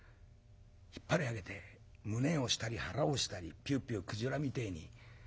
引っ張り上げて胸押したり腹押したりピューピュー鯨みてえに水吐いたとよ。